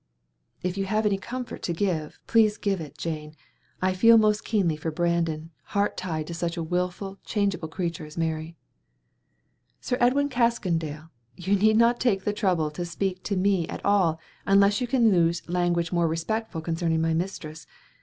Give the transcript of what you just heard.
"If you have any comfort to give, please give it, Jane. I feel most keenly for Brandon, heart tied to such a wilful, changeable creature as Mary." "Sir Edwin Caskoden, you need not take the trouble to speak to me at all unless you can use language more respectful concerning my mistress.